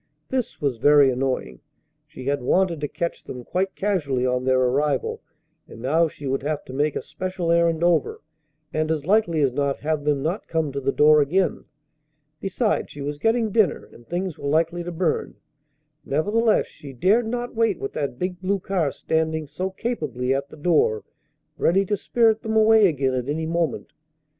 This was very annoying. She had wanted to catch them quite casually on their arrival, and now she would have to make a special errand over, and as likely as not have them not come to the door again. Besides, she was getting dinner, and things were likely to burn. Nevertheless, she dared not wait with that big blue car standing so capably at the door, ready to spirit them away again at any moment.